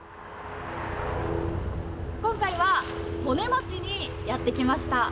今回は利根町にやってきました！